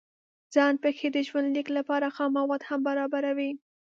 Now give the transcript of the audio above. ځان پېښې د ژوند لیک لپاره خام مواد هم برابروي.